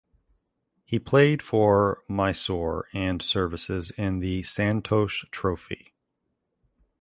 He played for Mysore and Services in the Santosh Trophy.